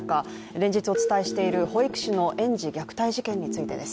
連日お伝えしている保育士の園児虐待事件についてです。